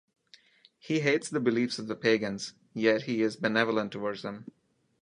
He hates the beliefs of the pagans, yet he is benevolent towards them.